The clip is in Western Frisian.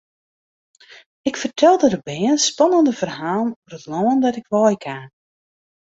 Ik fertelde de bern spannende ferhalen oer it lân dêr't ik wei kaam.